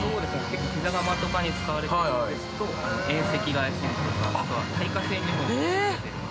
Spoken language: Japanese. ◆ピザ窯とかに使われているのですと遠赤外線とか耐火性にも優れているので。